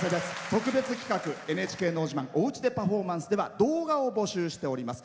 特別企画「ＮＨＫのど自慢おうちでパフォーマンス」では動画を募集しております。